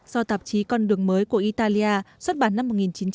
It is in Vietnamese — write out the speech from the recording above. do tạp chí con đường mới của italia xuất bản năm một nghìn chín trăm sáu mươi tám